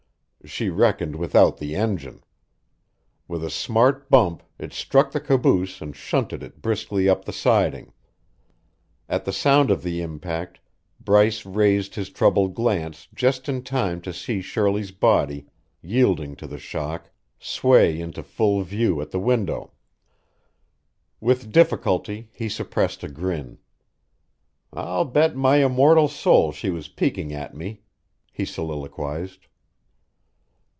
She reckoned without the engine. With a smart bump it struck the caboose and shunted it briskly up the siding; at the sound of the impact Bryce raised his troubled glance just in time to see Shirley's body, yielding to the shock, sway into full view at the window. With difficulty he suppressed a grin. "I'll bet my immortal soul she was peeking at me," he soliloquized.